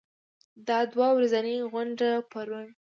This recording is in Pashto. دا دوه ورځنۍ غونډه پرون